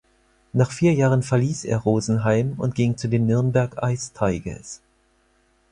Nach vier Jahren verließ er Rosenheim und ging zu den Nürnberg Ice Tigers.